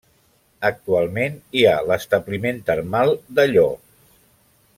Actualment hi ha l'establiment termal de Llo.